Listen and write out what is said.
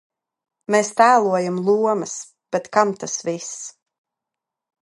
Mēs tēlojam lomas, bet kam tas viss?